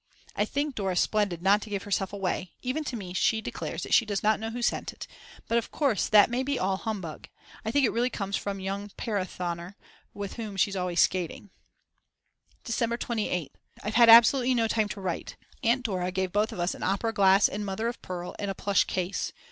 I think Dora's splendid not to give herself away; even to me she declares she does not know who sent it; but of course that may be all humbug. I think it really comes from young Perathoner, with whom she's always skating. December 28th. I've had absolutely no time to write. I got everything I wanted. Aunt Dora gave both of us an opera glass in mother of pearl in a plush case.